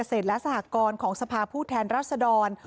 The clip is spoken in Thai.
มาที่การการเกษตรและสหกรณ์ของสภาพผู้แทนรัศดร